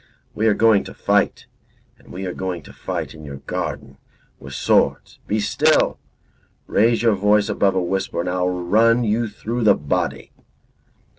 We are going to fight, and we are going to fight in your garden, with your swords. Be still! Raise your voice above a whisper, and I run you through the body."